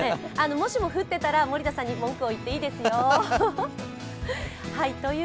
もしも降ってたら、森田さんに文句を言っていいですよ。